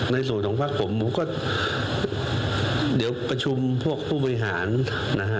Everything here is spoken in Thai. ในส่วนของพักผมผมก็เดี๋ยวประชุมพวกผู้บริหารนะฮะ